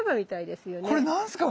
これ何すか？